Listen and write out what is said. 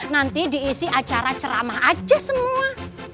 nanti diisi acara ceramah aja semua